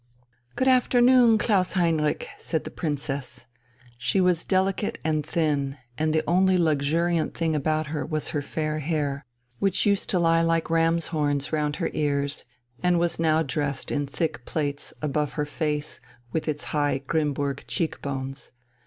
"Good afternoon, Klaus Heinrich," said the Princess. She was delicate and thin, and the only luxuriant thing about her was her fair hair, which used to lie like ram's horns round her ears and now was dressed in thick plaits above her face with its high Grimmburg cheek bones.